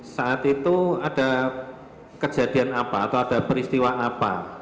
saat itu ada kejadian apa atau ada peristiwa apa